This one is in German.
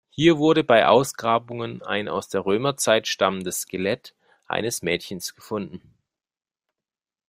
Hier wurde bei Ausgrabungen ein aus der Römerzeit stammendes Skelett eines Mädchens gefunden.